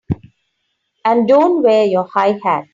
And don't wear your high hat!